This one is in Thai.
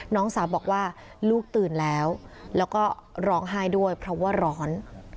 น้องสาวบอกว่าลูกตื่นแล้วแล้วก็ร้องไห้ด้วยเพราะว่าร้อน